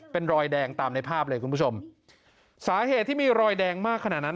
เป็นรอยแดงตามในภาพเลยคุณผู้ชมสาเหตุที่มีรอยแดงมากขนาดนั้น